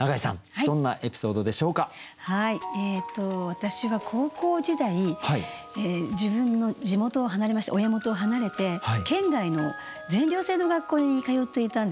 私は高校時代自分の地元を離れまして親元を離れて県外の全寮制の学校に通っていたんですね。